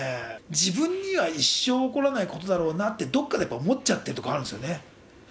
自分には一生起こらないことだろうなってどっかで思っちゃってるとこあるんですよね。